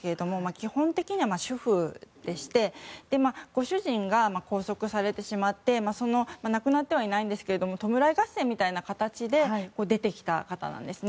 基本的には主婦でしてまだ亡くなってはいないんですがその弔い合戦みたいな形で出てきた方なんですね。